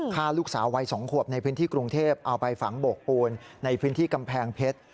ฆ่าลูกสาววัย๒ขวบในพื้นที่กรุงเทพเอาไปฝังโบกปูนในพื้นที่กำแพงเพชร